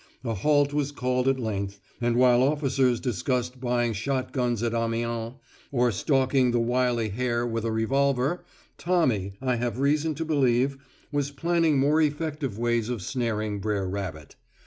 A halt was called at length, and while officers discussed buying shot guns at Amiens, or stalking the wily hare with a revolver, Tommy, I have reason to believe, was planning more effective means of snaring Brer rabbit.